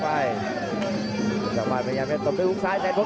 พยายามจะตีจิ๊กเข้าที่ประเภทหน้าขาครับ